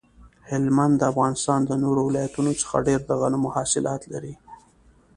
هلمند د افغانستان د نورو ولایتونو څخه ډیر د غنمو حاصلات لري